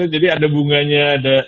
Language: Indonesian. jadi ada bunganya